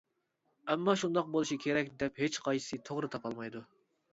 ئەمما شۇنداق بولۇشى كېرەك دەپ ھېچقايسىسى توغرا تاپالمايدۇ.